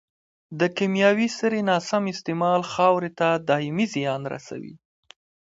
د کيمیاوي سرې ناسم استعمال خاورې ته دائمي زیان رسوي.